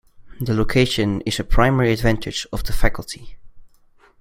The location is a primary advantage of the faculty.